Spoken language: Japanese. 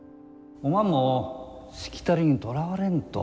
おまんもしきたりにとらわれんと。